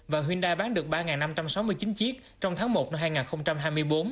và hyundai bán được ba năm trăm sáu mươi chín chiếc trong tháng một năm hai nghìn hai mươi bốn